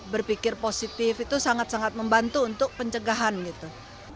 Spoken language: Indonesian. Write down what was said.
berpikir positif itu sangat sangat membantu untuk pencegahan gitu